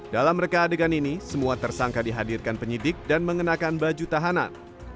dalam reka adegan ini semua tersangka dihadirkan penyidik dan mengenakan baju tahanan